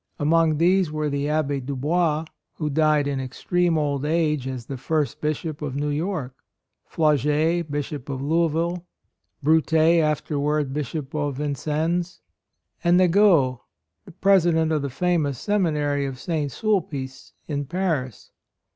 Among these were the Abbe Dubois, who AND MOTHER. 37 died in extreme old age as the first Bishop of New York; Flaget, Bishop of Louisville; Brute, afterward Bishop of Vin cennes ; and Nagot, president of the famous Seminary of St. Sulpice in Paris.